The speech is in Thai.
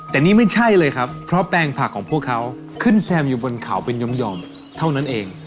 แต่นี่ไม่ใช่เลยครับเพราะแปลงผักของพวกเขาขึ้นแซมอยู่บนเขาเป็นยอมเท่านั้นเอง